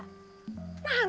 nanti juga balik lagi